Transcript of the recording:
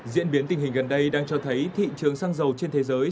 diễn biến tình hình gần đây đang cho thấy thị trường xăng dầu trên thế giới